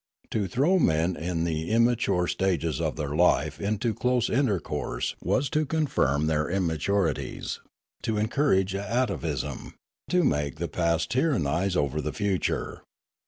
To throw men in the immature stages of their life into close intercourse was to confirm their immaturities, to encourage atavism, to make the past tyrannise over the future.